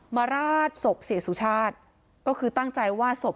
มาราจศพเศสุชาติก็คือตั้งใจว่าศพ